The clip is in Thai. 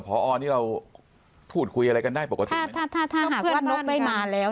พ่อออร์นี่เราพูดคุยอะไรกันได้โปกติไม่มาแล้ว